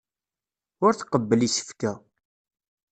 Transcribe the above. Ur tqebbel isefka.